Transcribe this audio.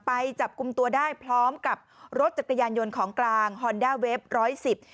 ไปจับกลุ่มตัวได้พร้อมกับรถจักรยานยนต์ของกลางฮอนด้าเว็บร้อยสิบ